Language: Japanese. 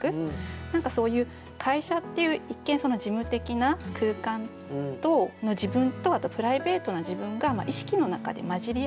何かそういう会社っていう一見事務的な空間の自分とあとプライベートな自分が意識の中で混じり合う。